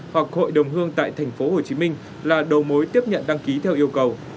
hoặc hội đồng hương tại tp hcm là đầu mối tiếp nhận đăng ký theo yêu cầu